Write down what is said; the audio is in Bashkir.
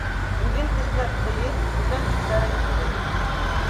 Үҙен көсләп тыйып, бүтән һүҙҙәр әйтте.